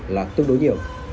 là tương đối nhiều